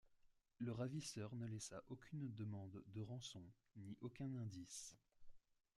Le ravisseur ne laissa aucune demande de rançon ni aucun indice.